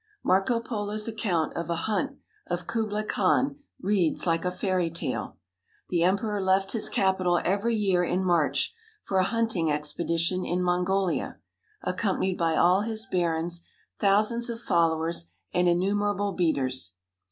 Marco Polo's account of a hunt of Kublai Khan reads like a fairy tale. The Emperor left his capital every year in March for a hunting expedition in Mongolia, accompanied by all his barons, thousands of followers and innumerable beaters.